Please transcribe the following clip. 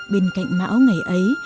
bên cạnh mã ngày ấy